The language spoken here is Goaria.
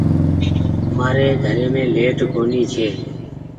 مآري گھريم ليٽ ڪونيٚ ڇي